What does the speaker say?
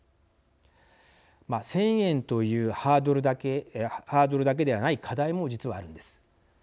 １，０００円というハードルだけではない課題も実はあるんです。